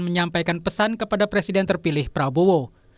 menyampaikan pesan kepada presiden terpilih prabowo